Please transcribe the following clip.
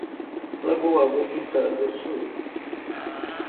Lagoa Bonita do Sul